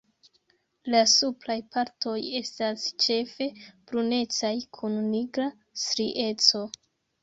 La supraj partoj estas ĉefe brunecaj kun nigra strieco.